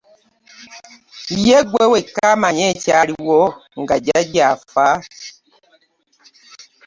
Ye gwe wekka amanyi ekyaliwo nga jjajja affa.